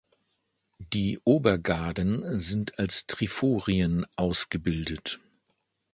Die Obergaden sind als Triforien ausgebildet.